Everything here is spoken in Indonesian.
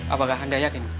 apakah anda yakin